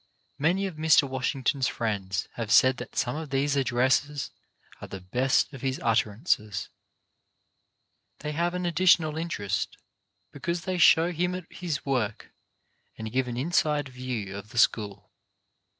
Many of Mr. Washington's friends have said that some of these addresses are the best of his utterances. They have an additional interest because they show him at his work and give an inside view of the school.